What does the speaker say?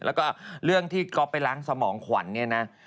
แล้วก็เรื่องที่ก๊อฟไปล้างสมองขวัญเนี่ยนะ